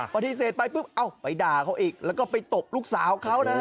ปฏิเสธไปปุ๊บเอาไปด่าเขาอีกแล้วก็ไปตบลูกสาวเขานะฮะ